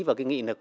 và cái nghị lực